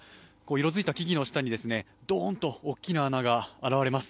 色づいた木々の下にドンと大きな穴が現れます。